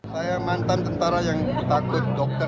saya mantan tentara yang takut dokter